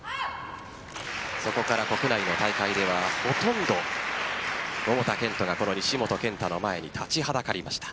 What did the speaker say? そこから国内の大会ではほとんど桃田賢斗が西本拳太の前に立ちはだかりました。